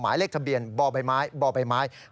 ขายเลขทะเบียนบ่อไบไม้